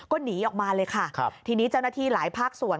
ก็หนีออกมาเลยค่ะครับทีนี้เจ้าหน้าที่หลายภาคส่วน